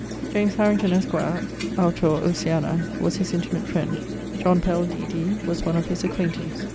James Harrington, esq. (autor Oceanae), was his intimate friend. John Pell, D.D., was one of his acquaintance.